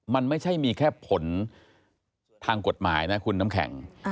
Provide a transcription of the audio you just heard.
มันไม่ใช่มีแค่ผลทางกฎหมายนะคุณน้ำแข็ง